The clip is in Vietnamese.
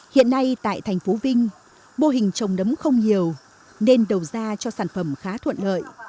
hiện nay tại thành phố vinh mô hình trồng nấm không nhiều nên đầu ra cho sản phẩm khá thuận lợi